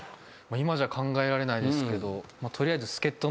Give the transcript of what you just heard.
今じゃ考えられないですけど。